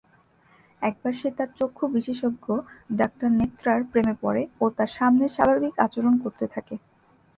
একবার সে তার চক্ষু বিশেষজ্ঞ ডাক্তারনেত্রার প্রেমে পড়ে ও তার সামনে স্বাভাবিক আচরণ করতে থাকে।